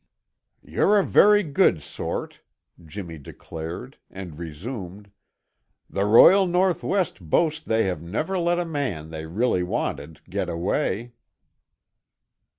"You're a very good sort," Jimmy declared and resumed: "The Royal North West boast they have never let a man they really wanted get away."